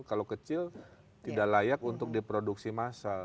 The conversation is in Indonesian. kalau kecil tidak layak untuk diproduksi massal